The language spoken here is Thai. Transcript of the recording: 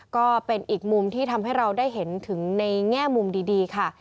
ก็เป็นอีกมุมที่ทำให้เราได้เห็นถึงในแง่มุมดีค่ะ